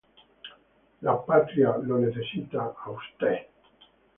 La patria lo necesita a Ud.